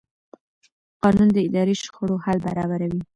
قانون د اداري شخړو حل برابروي.